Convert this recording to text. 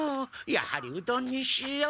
やはりうどんにしよう。